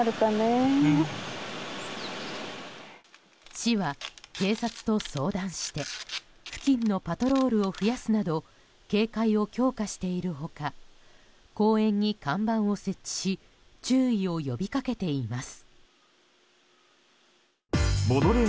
市は警察と相談して付近のパトロールを増やすなど警戒を強化している他公園に看板を設置し注意を呼び掛けています。